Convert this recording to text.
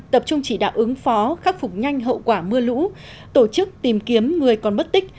tập trung chỉ đạo ứng phó khắc phục nhanh hậu quả mưa lũ tổ chức tìm kiếm người còn mất tích